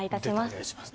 お願いします。